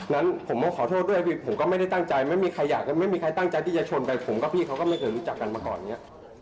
ดังนั้นผมขอโทษด้วยผมก็ไม่ได้ตั้งใจไม่มีใครตั้งใจที่จะชนไปผมก็พี่เขาก็ไม่เคยรู้จักกันมาก่อนเนี่ย